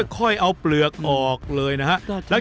ค่อยเอาเปลือกออกเลยนะครับ